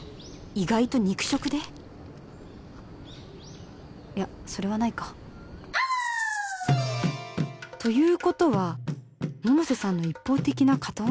意外と肉食でいやそれはないかということは百瀬さんの一方的な片思い？